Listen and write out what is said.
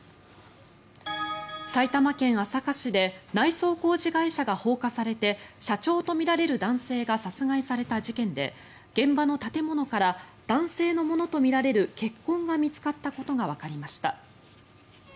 埼玉県朝霞市で内装工事会社が放火されて社長とみられる男性が殺害された事件で現場の建物から男性のものとみられる血痕が見つかったことがわかりました。